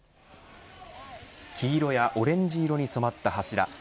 黄色やオレンジ色に染まった柱。